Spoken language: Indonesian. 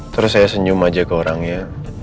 terus saya senyum aja ke orangnya